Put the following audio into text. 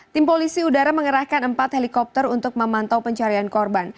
tim polisi udara mengerahkan empat helikopter untuk memantau pencarian korban